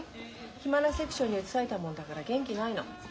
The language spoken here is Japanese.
暇なセクションに移されたもんだから元気ないの。